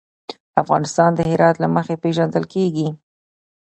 افغانستان د هرات له مخې پېژندل کېږي.